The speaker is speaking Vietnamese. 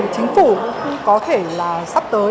chính phủ cũng có thể sắp tới